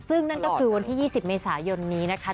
ซึ่งนั่นก็คือวันที่๒๐เมษายนนี้นะคะ